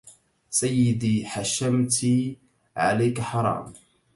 سيدي حشمتي عليك حرام